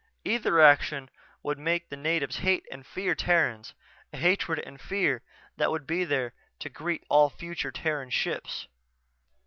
Either action would make the natives hate and fear Terrans; a hatred and fear that would be there to greet all future Terran ships.